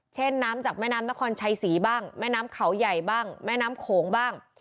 น้ำจากแม่น้ำนครชัยศรีบ้างแม่น้ำเขาใหญ่บ้างแม่น้ำโขงบ้าง